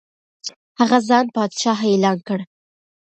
هغه ځان پادشاه اعلان کړ.